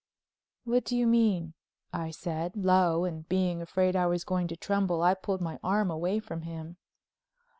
"What do you mean?" I said, low, and being afraid I was going to tremble I pulled my arm away from him.